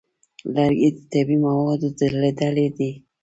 لرګی د طبیعي موادو له ډلې دی.